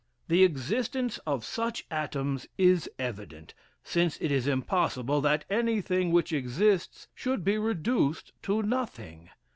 The existence of such atoms is evident, since it is impossible that anything which exists should be reduced to nothing.